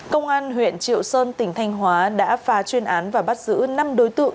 công an huyện triệu sơn tỉnh thanh hóa đã phá chuyên án và bắt giữ năm đối tượng